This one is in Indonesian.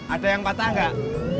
ada yang patah gak